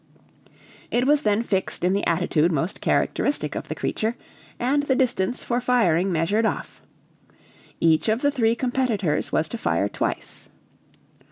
It was then fixed in the attitude most characteristic of the creature, and the distance for firing measured off. Each of the three competitors was to fire twice.